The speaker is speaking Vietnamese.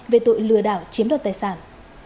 về tội lừa đảo chiếm đoạt tài sản